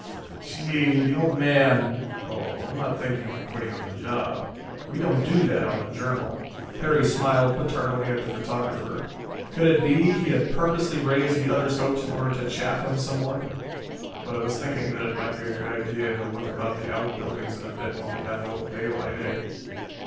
But, gee, the Old Man...." "Oh, I'm not thinking of quitting on the job. We don't do that on the Journal." Perry smiled paternally at the photographer. Could it be he had purposely raised the other's hopes in order to chaff him some more? "But I was thinking that it might be a good idea to look about the outbuildings a bit while we have a little daylight. Eh?"